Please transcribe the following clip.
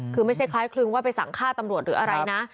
คือไม่ใช่คล้ายคลึงว่าไปสั่งฆ่าตำรวจหรืออะไรนะ